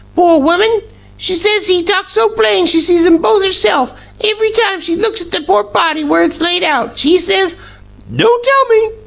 Poor woman, she says he talked so plain she sees 'em both herself, iv'ry time she looks at the poor body where it's laid out. She says " "Don't tell me!"